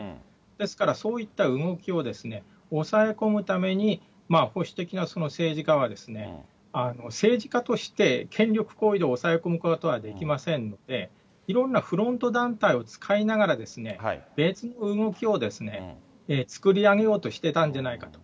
ですからそういった動きを抑え込むために、保守的な政治家は政治家として権力行為を抑え込むことは、できませんので、いろんなフロント団体を使いながら、別の動きを作り上げようとしてたんじゃないかと。